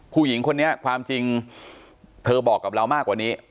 ผู้หญิงคนนี้ความจริงเธอบอกกับเรามากกว่านี้